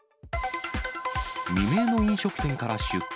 未明の飲食店から出火。